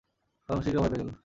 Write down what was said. ফলে মুশরিকরা ভয় পেয়ে গেল।